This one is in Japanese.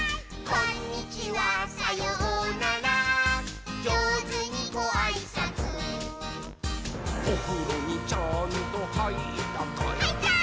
「こんにちはさようならじょうずにごあいさつ」「おふろにちゃんとはいったかい？」はいったー！